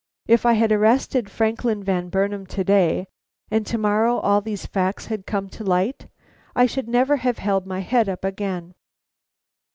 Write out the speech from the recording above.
If I had arrested Franklin Van Burnam to day, and to morrow all these facts had come to light, I should never have held up my head again.